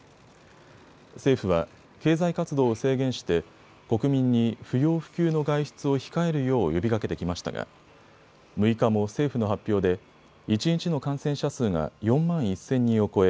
政府は経済活動を制限して国民に不要不急の外出を控えるよう呼びかけてきましたが６日も政府の発表で一日の感染者数が４万１０００人を超え